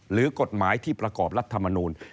หรือกฎหมายที่ประกอบรัฐมนูล